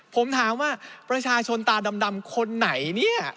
ผมถามว่าประชาชนตาดำคนไหนเนี่ย